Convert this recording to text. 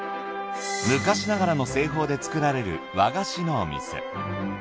昔ながらの製法で作られる和菓子のお店。